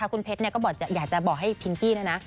แล้วคุณเพชรเนี่ยก็อยากจะบอกให้พิงกี้นะนะ